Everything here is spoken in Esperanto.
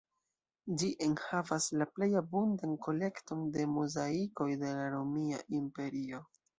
Ĝi enhavas la plej abundan kolekton de mozaikoj de la romia imperio.